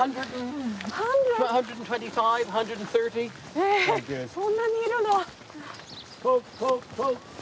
えっそんなにいるの。